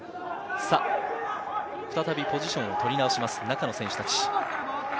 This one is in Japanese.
再びポジションを取り直します、中の選手達。